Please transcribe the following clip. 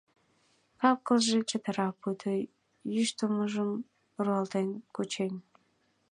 Кап-кылже чытыра, пуйто йӱштымужым руалтен кучен.